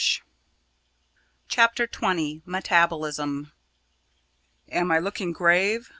CHAPTER XX METABOLISM "Am I looking grave?"